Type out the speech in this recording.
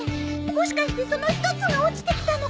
もしかしてその一つが落ちてきたのかも。